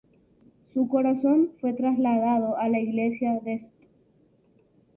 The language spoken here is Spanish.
Su corazón fue trasladado a la iglesia de St.